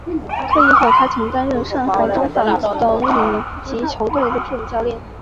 退役后他曾经担任上海中纺机等乙级球队的助理教练。